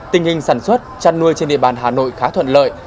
tình hình sản xuất chăn nuôi trên địa bàn hà nội khá thuận lợi